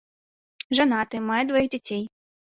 Жанаты, мае дваіх дзяцей.